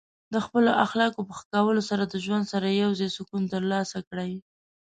د خپل اخلاقو په ښه کولو سره د ژوند سره یوځای سکون ترلاسه کړئ.